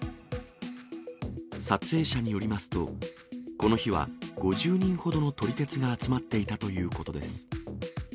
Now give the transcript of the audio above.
撮影者によりますと、この日は５０人ほどの撮り鉄が集まっていたということです。